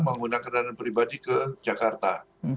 menggunakan kendaraan pribadi ke jakarta